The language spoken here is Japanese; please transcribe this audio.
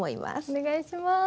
お願いします。